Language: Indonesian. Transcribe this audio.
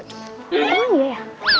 ini gak ya